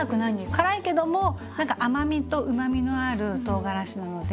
辛いけども何か甘みとうまみのあるとうがらしなので。